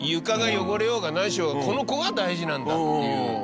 床が汚れようが何しようがこの子が大事なんだっていう。